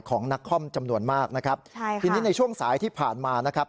ของนักคอมจำนวนมากนะครับใช่ค่ะทีนี้ในช่วงสายที่ผ่านมานะครับ